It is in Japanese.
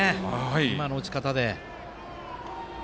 今の打ち方で。